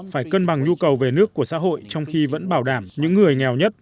phải cân bằng nhu cầu về nước của xã hội trong khi vẫn bảo đảm những người nghèo nhất